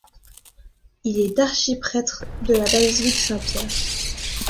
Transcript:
Il est archiprêtre de la basilique Saint-Pierre.